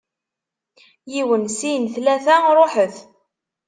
yiwen, sin, tlata, ruḥet!